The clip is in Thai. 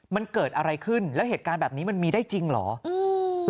มันเกิดอะไรขึ้นแล้วเหตุการณ์แบบนี้มันมีได้จริงเหรออืม